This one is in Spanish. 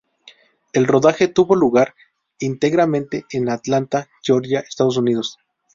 El rodaje tuvo lugar íntegramente en Atlanta, Georgia, Estados Unidos.